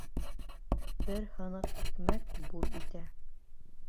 Бер һыныҡ икмәк бур итә